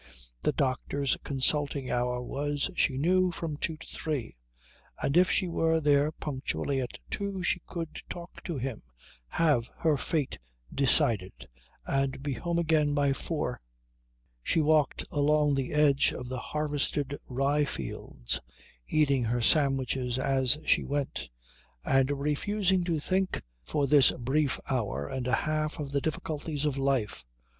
The doctor's consulting hour was, she knew, from two to three, and if she were there punctually at two she could talk to him, have her fate decided, and be home again by four. She walked along the edge of the harvested rye fields eating her sandwiches as she went, and refusing to think for this brief hour and a half of the difficulties of life.